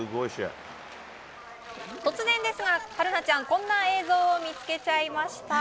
突然ですが、春奈ちゃんこんな映像見つけちゃいました！